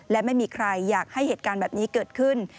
และไม่มีใครอยากให้เหตุการณ์แบบนี้เกิดขึ้น